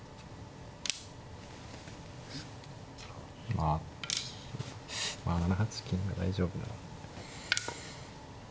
まあまあ７八金が大丈夫なら。